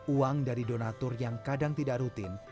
uang dari donatur yang kadang tidak rutin